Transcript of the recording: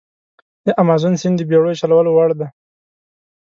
د امازون سیند د بېړیو چلولو وړ دی.